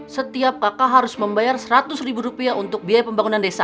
setiap kakak harus membayar seratus ribu rupiah untuk biaya pembangunan desa